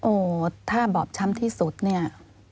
โอ้ถ้าบอบช้ำที่สุดเนี่ย